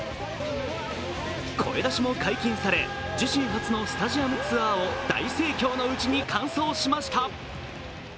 声出しも解禁され、自身初のスタジアムツアーを大盛況のうちに完走しました。